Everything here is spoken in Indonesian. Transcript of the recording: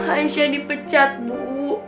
aisyah di pecat bu